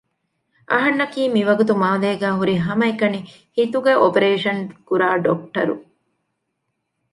އަހަންނަކީ މިވަގުތު މާލޭގައި ހުރި ހަމައެކަނި ހިތުގެ އޮޕަރޭޝަން ކުރާ ޑޮކްޓަރު